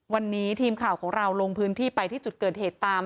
วันนี้ทีมข่าวของเราลงพื้นที่ไปที่จุดเกิดเหตุตาม